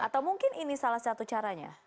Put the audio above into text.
atau mungkin ini salah satu caranya